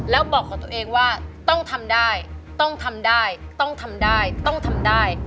แล้วบอกของตัวเองว่าต้องทำได้ต้องทำได้ต้องทำได้ต้องทำได้